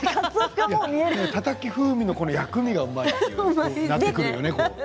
たたき風味の薬味がうまいとなってくるよね。